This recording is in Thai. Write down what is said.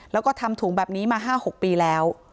และทำถุงมา๕๖ปีแล้ว